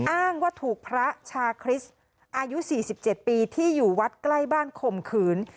อ้างว่าถูกพระชาคริสต์อายุ๔๗ปีที่อยู่วัดใกล้บ้านข่มขืน